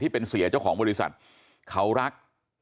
เป็นเสียเจ้าของบริษัทเขารัก